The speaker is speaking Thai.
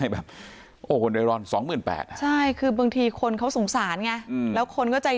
ให้แบบ๒๘๐๐๐บาทใช่คือบางทีคนเขาสงสารไงแล้วคนก็ใจ